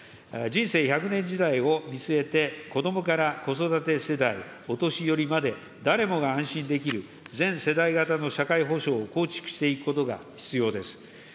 人生１００年時代を見据えて、子どもから子育て世代、お年寄りまで、誰もが安心できる全世代型の社会保障を構築していくことが必要です。